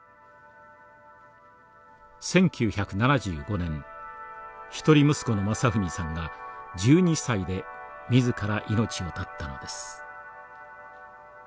１９７５年一人息子の真史さんが１２歳で自ら命を絶ったのです。